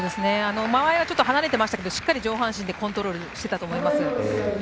間合いは離れてましたがしっかりと上半身でコントロールしてたと思います。